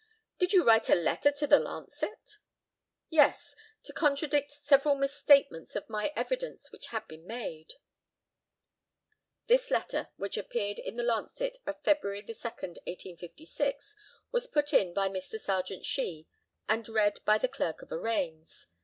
Did you write a letter to the Lancet? Yes, to contradict several misstatements of my evidence which had been made. This letter, which appeared in the Lancet of February 2, 1856, was put in by Mr. Serjeant Shee and read by the Cleric of Arraigns.